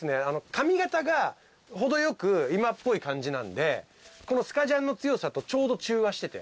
髪形が程よく今っぽい感じなんでスカジャンの強さとちょうど中和してて。